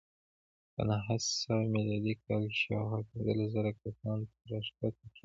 په نهه سوه میلادي کال کې شاوخوا پنځلس زره کسانو ته راښکته کېږي.